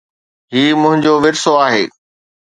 هي منهنجو ورثو آهي